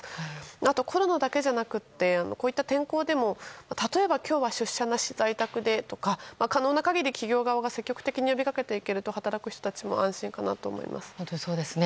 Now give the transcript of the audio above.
あと、コロナだけじゃなくてこういった天候でも例えば今日は出社なし、在宅でとか可能な限り企業側が積極的に呼びかけていくと働く人たちも安心かなと思います。